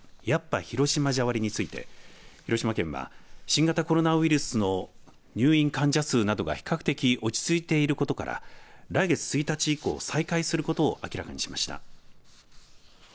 やっぱり広島じゃ割について広島県は新型コロナウイルスの入院患者数などが比較的落ち着いていることから来月１日以降、再開することを明らかにしました。